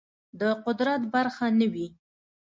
د قدرت برخه نه وي